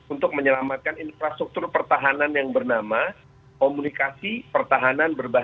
untuk menyelamatkan infrastruktur pertahanan yang bernama komunikasi pertahanan